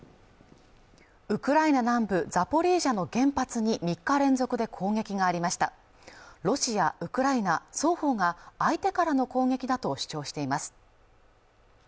ウクライナ南部ザポリージャの原発に３日連続で攻撃がありましたロシア、ウクライナ双方が相手からの攻撃だと主張しています